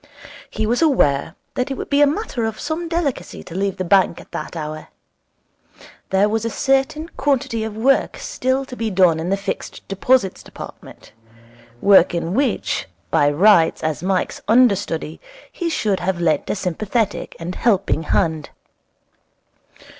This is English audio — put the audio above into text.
He was aware that it would be a matter of some delicacy to leave the bank at that hour. There was a certain quantity of work still to be done in the Fixed Deposits Department work in which, by rights, as Mike's understudy, he should have lent a sympathetic and helping hand.